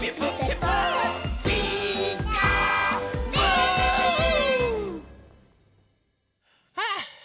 「ピーカーブ！」はあ。